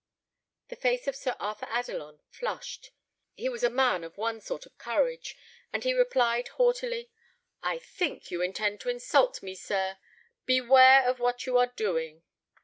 The face of Sir Arthur Adelon flushed. He was a man of one sort of courage, and he replied, haughtily, "I think you intend to insult me, sir. Beware what you are doing."